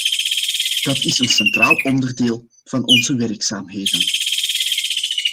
Dat is een centraal onderdeel van onze werkzaamheden.